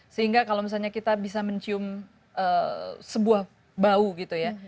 sehingga kalau misalnya kita bisa mencium sebuah bau gitu ya